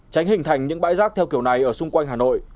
tránh hình thành những bãi rác theo kiểu này ở xung quanh hà nội